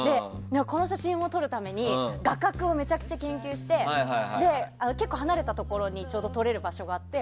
この写真を撮るために画角をめちゃくちゃ研究して結構離れたところに撮れる場所があって。